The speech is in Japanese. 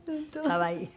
可愛い。